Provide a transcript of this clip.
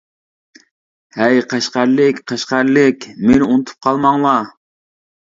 ئەي قەشقەرلىك، قەشقەرلىك، مېنى ئۇنتۇپ قالماڭلار.